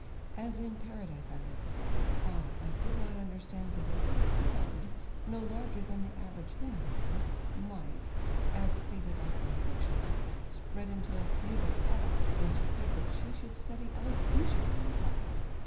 As in Paradise I listened. Ah, I did not understand That a little cloud, no larger than the average human hand, Might, as stated oft in fiction, spread into a sable pall, When she said that she should study elocution in the fall.